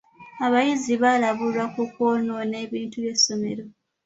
Abayizi baalabulwa ku kwonoona ebintu by'essomero.